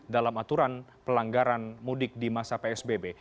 dalam aturan pelanggaran mudik di masa psbb